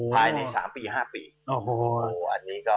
ภายใน๓๕ปี